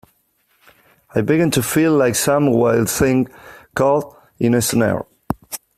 I began to feel like some wild thing caught in a snare.